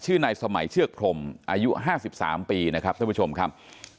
ชื่อในสมัยเชือกพรหมอายุห้าสิบสามปีนะครับท่านผู้ชมครับ